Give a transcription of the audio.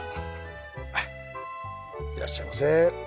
いらっしゃいませ。